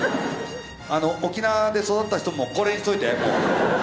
あの沖縄で育った人もこれにしといてもう。